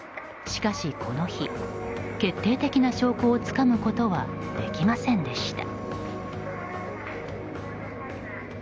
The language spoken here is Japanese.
しかし、この日、決定的な証拠をつかむことはできませんでした。